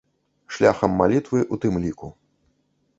Шляхам малітвы ў тым ліку.